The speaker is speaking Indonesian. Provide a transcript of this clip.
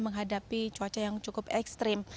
menghadapi cuaca yang cukup ekstrim